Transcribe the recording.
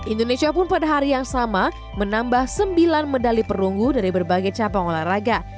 indonesia pun pada hari yang sama menambah sembilan medali perunggu dari berbagai cabang olahraga